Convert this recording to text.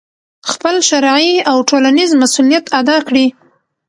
خپل شرعي او ټولنیز مسؤلیت ادا کړي،